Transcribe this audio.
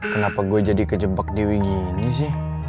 kenapa gue jadi kejebak diwi gini sih